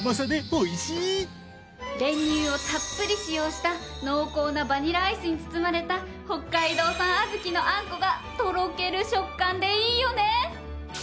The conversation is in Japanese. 練乳をたっぷり使用した濃厚なバニラアイスに包まれた北海道産小豆のあんこがとろける食感でいいよね！